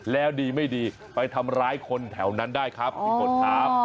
แล้วดีไม่ดีไปทำร้ายคนแถวนั้นได้ครับพี่ฝนครับ